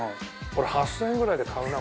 ８０００円ぐらいで買うな。